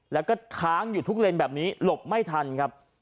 แล้วก็ค้างอยู่ทุกเลนแบบนี้หลบไม่ทันครับ